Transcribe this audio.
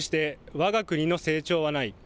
わが国の成長はない。